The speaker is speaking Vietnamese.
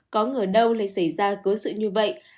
có ngờ đâu lại xảy ra cơ sự như vậy